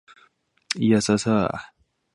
その服すごく似合ってるよ。